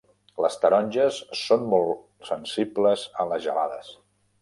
Les taronges són molt sensibles a les gelades.